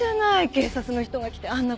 警察の人が来てあんな